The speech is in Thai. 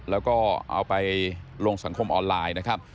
แล้วก็เอาไปลงสังคมออนไลน์นะครับ